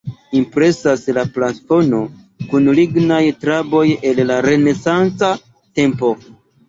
Impresas la plafono kun lignaj traboj el la renesanca tempo.